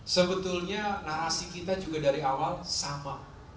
sebetulnya narasi kita juga dari awal sama